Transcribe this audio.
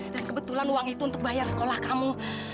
dan kebetulan uang itu untuk bayar sekolah kamu